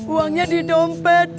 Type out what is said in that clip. uangnya di dompet